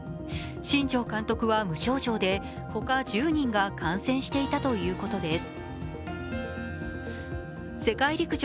新庄監督は無症状で、他１０人が感染していたということです。